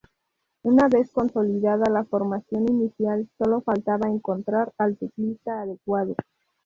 Una vez consolidada la formación inicial, sólo faltaba encontrar al teclista adecuado.